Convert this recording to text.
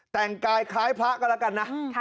แต่งกายคล้ายพระก็แล้วกันนะ